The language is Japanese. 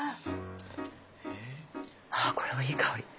あこれもいい香り。